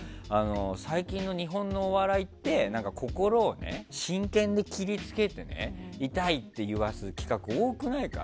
最近の日本のお笑いって心を真剣で切り付けて痛いって言わせる機会が多くないか？